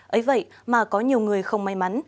ấy vậy mà có nhiều người không may mắn